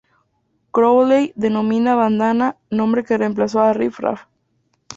Crowley denominada Bandana, nombre que remplazó a "Riff Raff".